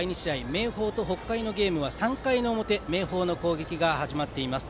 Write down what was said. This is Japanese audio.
明豊と北海のゲームは３回の表明豊の攻撃が始まっています。